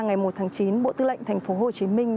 ngày một tháng chín bộ tư lệnh thành phố hồ chí minh